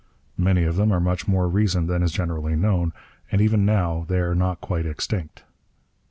Many of them are much more recent than is generally known; and even now they are not quite extinct.